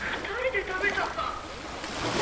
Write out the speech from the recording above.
２人で食べちゃった！